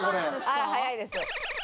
あら早いです。